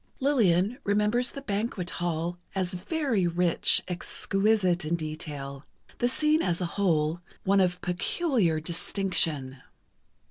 Lillian remembers the banquet hall as very rich, exquisite in detail—the scene as a whole, one of peculiar distinction.